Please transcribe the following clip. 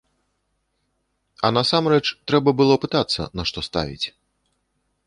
А насамрэч, трэба было пытацца, на што ставіць.